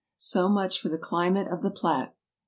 So much for the climate of the Platte